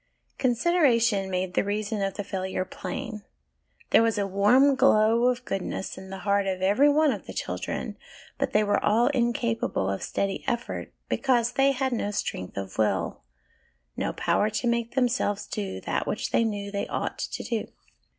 Consideration made the reason of the failure plain : there was a warm glow of goodness at the heart of every one of the children, but they were all incapable of steady effort, because they had no strength of will, no power to make themselves do that which they knew they ought to do.